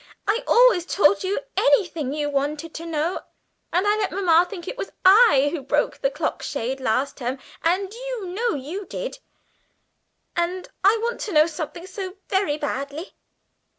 I always told you anything you wanted to know; and I let mamma think it was I broke the clock shade last term, and you know you did it. And I want to know something so very badly!"